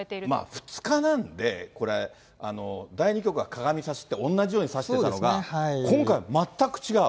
２日なんで、これ、第２局は鏡指しって、同じように指してたのが、今回、全く違う。